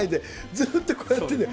ずっとこうやってて。